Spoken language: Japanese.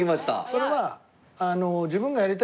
それは。